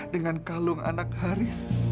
dengan kalung anak haris